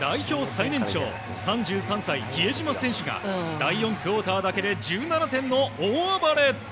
最年長３３歳、比江島選手が第４クオーターだけで１７点の大暴れ！